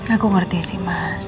aku ngerti sih mas